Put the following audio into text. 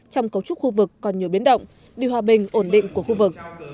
trong cấu trúc khu vực còn nhiều biến động điều hòa bình ổn định của khu vực